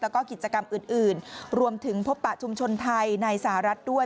แล้วก็กิจกรรมอื่นรวมถึงพบปะชุมชนไทยในสหรัฐด้วย